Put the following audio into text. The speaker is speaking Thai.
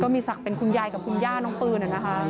มีศักดิ์เป็นคุณยายกับคุณย่าน้องปืน